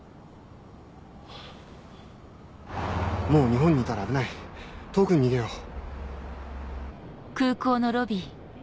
もう日本にいたら危ない遠くに逃げよう。